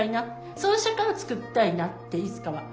そういう社会をつくりたいなっていつかは。